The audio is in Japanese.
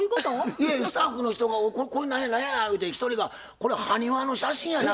いやスタッフの人が「これ何や何や？」言うて一人が「これ埴輪の写真やな」